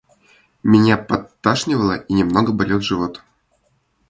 Меня подташнивало, и немного болел живот.